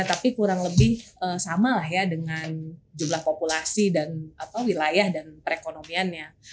tapi kurang lebih sama lah ya dengan jumlah populasi wilayah dan perekonomiannya